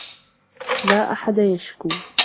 لا أحد يشكو.